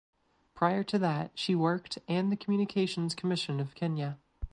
Prior to that she worked and the Communications Commission of Kenya.